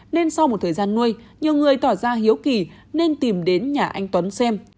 nên sau một thời gian nuôi nhiều người tỏ ra hiếu kỳ nên tìm đến nhà anh tuấn xem